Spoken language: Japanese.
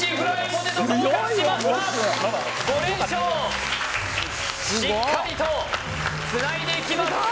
ポテト合格しました５連勝しっかりとつないでいきます